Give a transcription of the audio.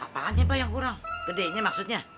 apaan ya bang yang kurang gedenya maksudnya